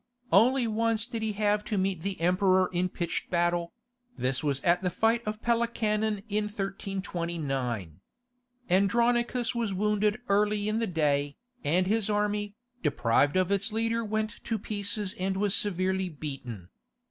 Only once did he have to meet the Emperor in pitched battle; this was at the fight of Pelekanon in 1329. Andronicus was wounded early in the day, and his army, deprived of its leader went to pieces and was severely beaten.